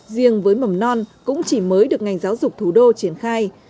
riêng với mầm non cũng chỉ mới được ngành giáo dục thủ đô triển khai